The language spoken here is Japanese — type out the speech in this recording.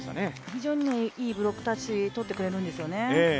非常にいいブロックタッチをとってくれるんですよね。